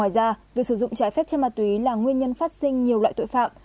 và việc sử dụng trái phép chất ma túy là nguyên nhân phát sinh nhiều loại tội phạm